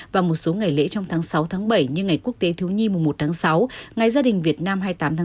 và một số ngày lễ trong tháng sáu bảy như ngày quốc tế thiếu nhi mùa một sáu ngày gia đình việt nam hai mươi tám sáu